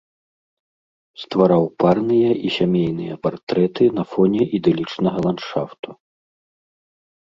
Ствараў парныя і сямейныя партрэты на фоне ідылічнага ландшафту.